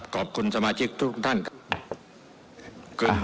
ขอบคุณสมาชิกทุกท่านครับ